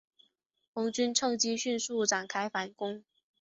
红军乘机迅速展开反攻。